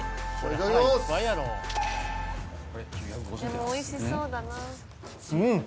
でも美味しそうだな。